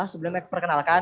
sebelumnya saya perkenalkan